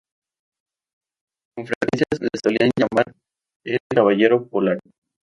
Con frecuencia le solían llamar "El Caballero Polaco".